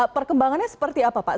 perkembangannya seperti apa pak